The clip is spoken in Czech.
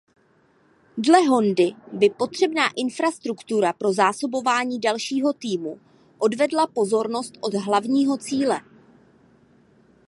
Dle Hondy by potřebná infrastruktura pro zásobování dalšího týmu odvedla pozornost od hlavního cíle.